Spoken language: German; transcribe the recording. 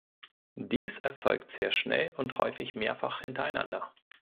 Dies erfolgt sehr schnell und häufig mehrfach hintereinander.